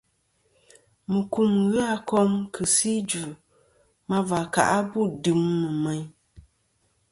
Mukum ghɨ a kom kɨ si idvɨ ma và kà bu dɨm nɨ̀ meyn.